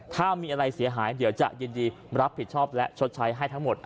ถ้ามีอะไรเสียหายเดี๋ยวจะยินดีรับผิดชอบและชดใช้ให้ทั้งหมด